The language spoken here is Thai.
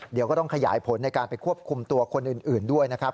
เดี๋ยวก็ต้องขยายผลในการไปควบคุมตัวคนอื่นด้วยนะครับ